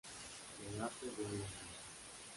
El arte de hoy en día".